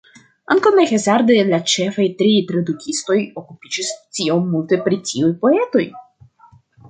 Ankaŭ ne hazarde la ĉefaj tri tradukistoj okupiĝis tiom multe pri tiuj poetoj.